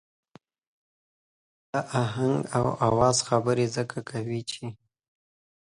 د آهنګ او آواز خبره ځکه کوو چې.